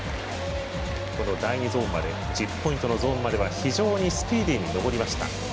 この第２ゾーンまで１０ポイントのゾーンまでは非常にスピーディーに登りました。